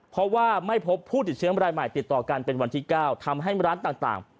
เพราะว่าไม่พบผู้ติดเชื้อรายใหม่ติดต่อกันเป็นวันที่๙ทำให้ร้านต่าง